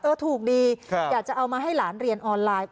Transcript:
ถูกดีอยากจะเอามาให้หลานเรียนออนไลน์